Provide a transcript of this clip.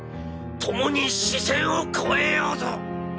共に死線を越えようぞ！